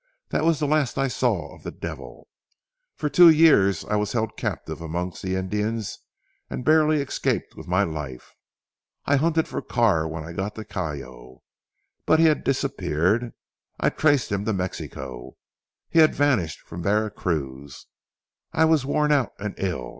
That was the last I saw of the devil. For two years I was held captive amongst the Indians and barely escaped with my life. I hunted for Carr when I got to Callao; but he had disappeared. I traced him to Mexico. He vanished from Vera Cruz. I was worn out and ill.